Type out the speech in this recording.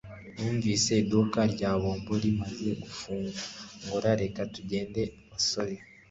Numvise iduka rya bombo rimaze gufungura Reka tugende basore